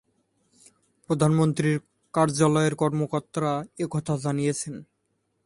প্রধানমন্ত্রীর কার্যালয়ের কর্মকর্তারা এ কথা জানিয়েছেন।